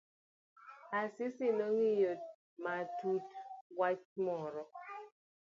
Asisi nong'iyo matut wach moro.